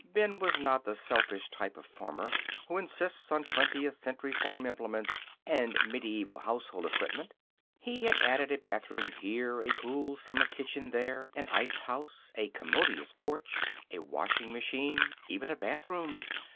Ben was not the selfish type of farmer who insists on twentieth century farm implements and medieval household equipment. He had added a bedroom here, a cool summer kitchen there, an icehouse, a commodious porch, a washing machine, even a bathroom.